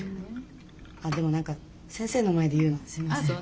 あっでも何か先生の前で言うのすみません。